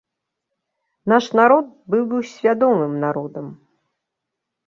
Наш народ быў бы свядомым народам.